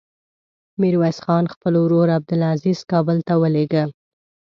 ميرويس خان خپل ورور عبدلعزير کابل ته ولېږه.